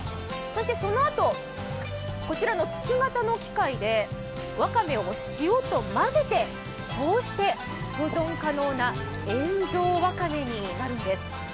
そのあと、こちらの筒型の機械でわかめを塩と混ぜて、こうして保存可能な塩蔵ワカメになるんです。